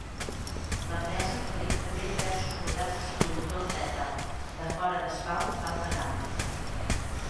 L'empresa fabrica també diversos models de ciclomotor Beta de fora d'asfalt d'alta gamma.